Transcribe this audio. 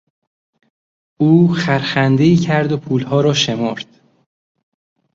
او خرخندهای کرد و پولها را شمرد.